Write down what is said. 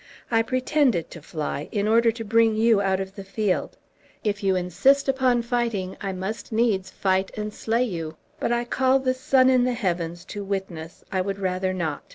I pretended to fly, in order to bring you out of the field. If you insist upon fighting I must needs fight and slay you, but I call the sun in the heavens to witness I would rather not.